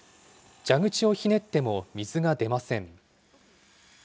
蛇口をひねっても水が出ません。